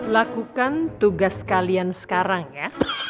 lakukan tugas kalian sekarang ya